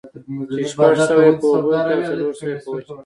چې شپږ سوه ئې په اوبو كي او څلور سوه ئې په وچه كي